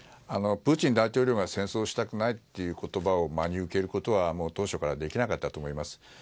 プーチン大統領の戦争したくないという言葉を真に受けることは当初からできなかったと思います。